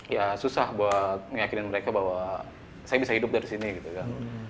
ya susah buat ngeyakin mereka bahwa saya bisa hidup dari sini gitu kan